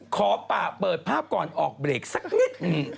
ขอป่าเปิดภาพก่อนออกเบรกสักนิด